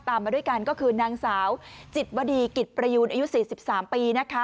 มาด้วยกันก็คือนางสาวจิตวดีกิจประยูนอายุ๔๓ปีนะคะ